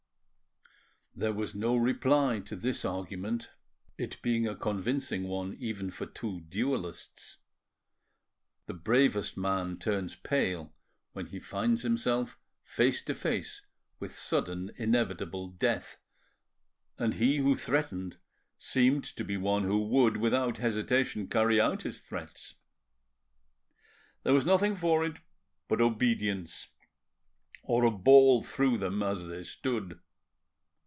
There was no reply to this argument, it being a convincing one even for two duellists. The bravest man turns pale when he finds himself face to face with sudden inevitable death, and he who threatened seemed to be one who would, without hesitation, carry out his threats. There was nothing for it but obedience, or a ball through them as they stood.